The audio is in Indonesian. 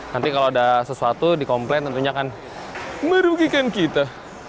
nanti kalau ada sesuatu dikomplain tentunya akan merugikan kita